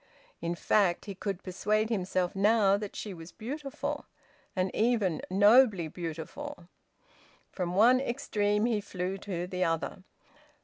In fact, he could persuade himself now that she was beautiful, and even nobly beautiful. From one extreme he flew to the other.